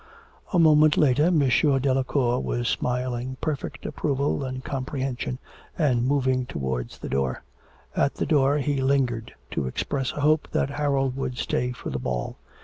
A moment later M. Delacour was smiling perfect approval and comprehension and moving towards the door. At the door he lingered to express a hope that Harold would stay for the ball.